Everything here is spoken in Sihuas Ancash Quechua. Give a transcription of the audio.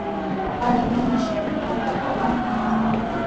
Adin yanasaami hallqapa wallkimanqa.